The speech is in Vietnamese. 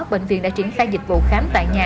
bệnh viện đã triển khai dịch vụ khám tại nhà